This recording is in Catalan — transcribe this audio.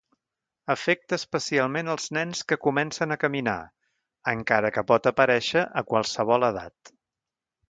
Afecta especialment els nens que comencen a caminar, encara que pot aparèixer a qualsevol edat.